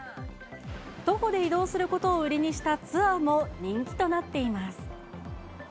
徒歩で移動することを売りにしたツアーも人気となっています。